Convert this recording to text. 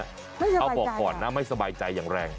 ไม่สบายใจค่ะเอาบอกก่อนนะไม่สบายใจอย่างแรง